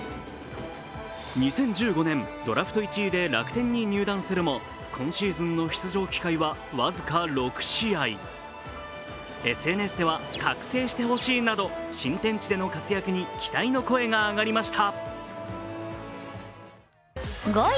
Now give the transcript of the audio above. ２０１５年、ドラフト１位で楽天に入団するも今シーズンの出場機会は僅か６試合ＳＮＳでは覚醒してほしいなど新天地での活躍に期待の声が上がりました。